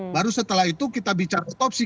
baru setelah itu kita bicara otopsi